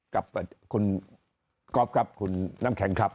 กับคุณก๊อฟครับคุณน้ำแข็งครับ